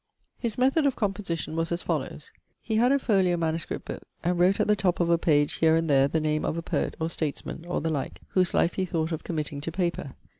His method of composition was as follows. He had a folio MS. book, and wrote at the top of a page here and there the name of a poet, or statesman, or the like, whose life he thought of committing to paper.